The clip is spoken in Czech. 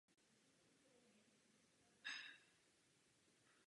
Jde o nejdelší a nejhlubší jeskyní v Slovenském krasu.